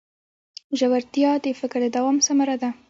ژورتیا د فکر د دوام ثمره ده.